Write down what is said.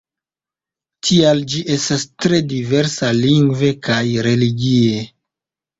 Tial, ĝi estas tre diversa lingve kaj religie.